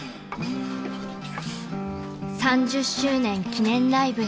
［３０周年記念ライブ］